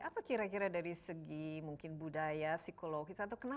apa kira kira dari segi mungkin budaya